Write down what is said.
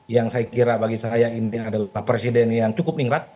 yang saya kira bagi saya ini adalah presiden yang cukup ningrat